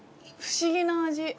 不思議な味？